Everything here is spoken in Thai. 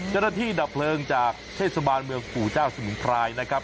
เจ้าหน้าที่ดับเพลิงจากเทศบาลเมืองศูนย์เจ้าสมินทรายนะครับ